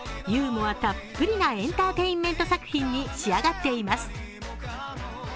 ユーモアたっぷりなエンターテインメント作品に仕上がっています。